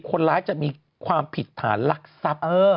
คนร้ายจะมีความผิดฐานลักทรัพย์